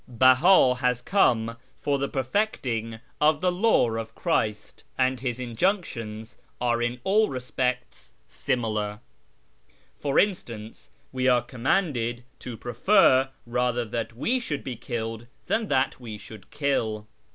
Beha has. come for the perfecting of the law of Christ, and his injunctions are in all respects similar ; for instance, we are commanded to jjrefer rather that we should he Jcilled than that we should kill.